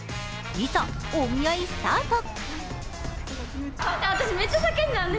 いざ、お見合いスタート。